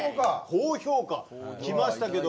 高評価きましたけども。